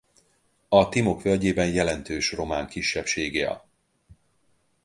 A Timok völgyében jelentős román kisebbség él.